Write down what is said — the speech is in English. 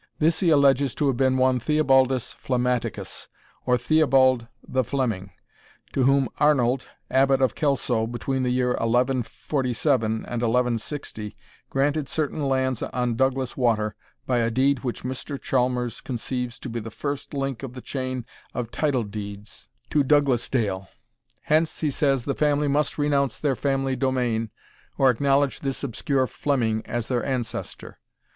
This he alleges to have been one Theobaldus Flammaticus, or Theobald the Fleming, to whom Arnold, Abbot of Kelso, between the year 1147 and 1160, granted certain lands on Douglas water, by a deed which Mr. Chalmers conceives to be the first link of the chain of title deeds to Douglasdale. Hence, he says, the family must renounce their family domain, or acknowledge this obscure Fleming as their ancestor.